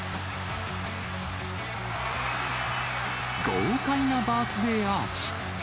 豪快なバースデーアーチ。